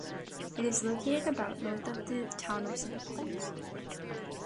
It is located about north of the town of St Helens.